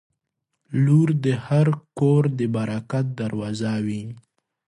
• لور د هر کور د برکت دروازه وي.